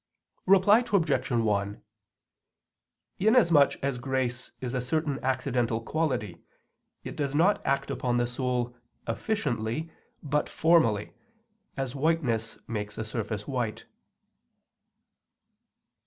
Reply Obj. 1: Inasmuch as grace is a certain accidental quality, it does not act upon the soul efficiently, but formally, as whiteness makes a surface white.